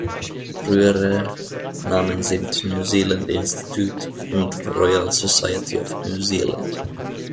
Frühere Namen sind "New Zealand Institute" und "Royal Society of New Zealand".